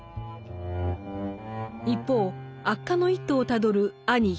一方悪化の一途をたどる兄兵衛の眼。